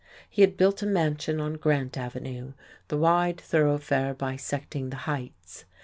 He had built a mansion on Grant Avenue, the wide thoroughfare bisecting the Heights.